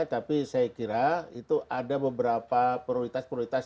tapi saya kira itu ada beberapa prioritas prioritas